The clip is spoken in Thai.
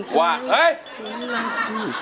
เพลงที่สี่